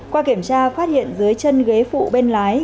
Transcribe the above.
qua kiểm tra phát hiện dưới chân ghế phụ bên lái